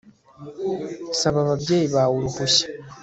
Saba ababyeyi bawe uruhushya